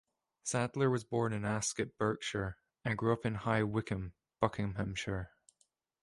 Sadler was born in Ascot, Berkshire, and grew up in High Wycombe, Buckinghamshire.